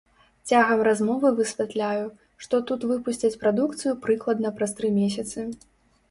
Цягам размовы высвятляю, што тут выпусцяць прадукцыю прыкладна праз тры месяцы.